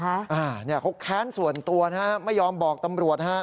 เขาแขนส่วนตัวนะครับไม่ยอมบอกตำรวจนะครับ